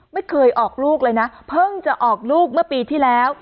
ไม่เคยออกลูกเลยนะเพิ่งจะออกลูกเมื่อปีที่แล้ว